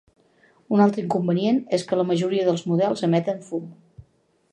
Un altre inconvenient és que la majoria dels models emeten fum.